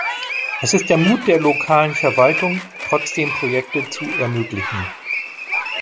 Es ist der Mut der lokalen Verwaltung, trotzdem Projekte zu ermöglichen.